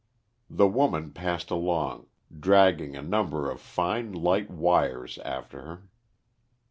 The woman passed along, dragging a number of fine light wires after her.